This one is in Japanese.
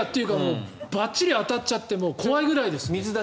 ばっちり当たっちゃって怖いぐらいです。